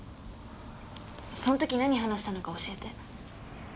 その時何話したのか教えて。